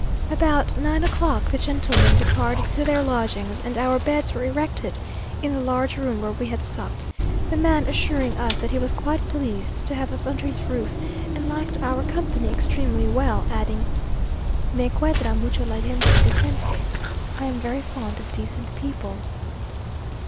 About nine o'clock the gentlemen departed to their lodgings, and our beds were erected in the large room where we had supped; the man assuring us that he was quite pleased to have us under his roof, and liked our company extremely well; adding, "Me cuadra mucho la gente decente" (I am very fond of decent people).